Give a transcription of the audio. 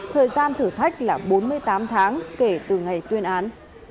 thời gian thử thách là bốn mươi tám tháng kể từ ngày tuyên án